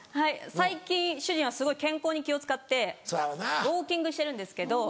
最近主人はすごい健康に気を使ってウオーキングしてるんですけど。